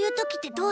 どう？